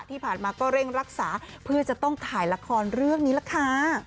ที่ผ่านมาก็เร่งรักษาเพื่อจะต้องถ่ายละครเรื่องนี้ล่ะค่ะ